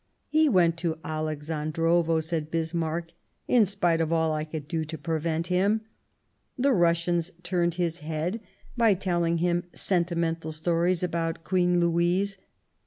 "He went to Alexandrovo," said Bismarck, "in spite of all I could do to prevent him. ... The Russians turned his head by telling him senti mental stories about Queen Louise."